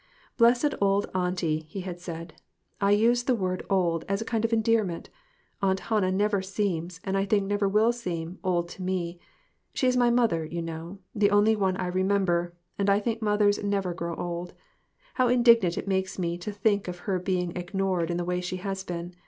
"Blessed old Auntie!" he had said; "I use the word old as a kind of endearment ; Aunt Hannah never seems, and I think never will seem, old to me. She is my mother, you know; the only one I remember, and I think mothers never grow old. How indignant it makes me tq think of her being ignored in the way she has been.